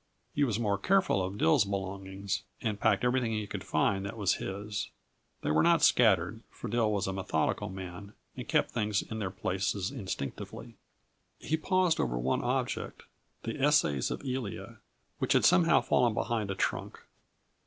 He was more careful of Dill's belongings, and packed everything he could find that was his. They were not scattered, for Dill was a methodical man and kept things in their places instinctively. He paused over but one object "The Essays of Elia," which had somehow fallen behind a trunk.